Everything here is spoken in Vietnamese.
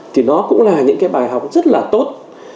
thì nó cũng là những cái bài học rất là tốt